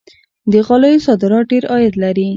د غالیو صادرات ډیر عاید لري.